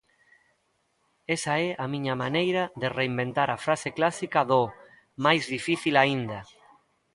Esa é a miña maneira de reinventar a frase clásica do 'máis difícil aínda'.